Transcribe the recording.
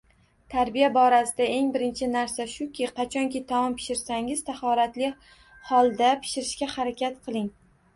Tarbiya borasida eng birinchi narsa shuki, qachonki taom pishirsangiz, tahoratli holda pishirishga harakat qiling